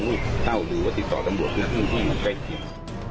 หรือวัตดิตรอบกับตำรวจคุณพีชใกล้จริง